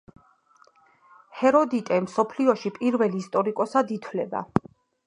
ჰეროდიტე მსოფლიოში პირველ ისტორიკოსად ითვლება